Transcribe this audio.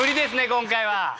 今回は。